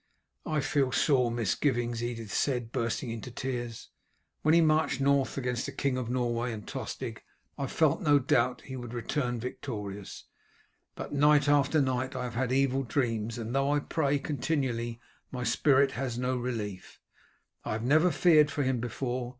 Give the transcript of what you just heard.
"I feel sore misgivings," Edith said, bursting into tears. "When he marched north against the King of Norway and Tostig I felt no doubt he would return victorious; but night after night I have had evil dreams, and though I pray continually my spirit has no relief. I have never feared for him before.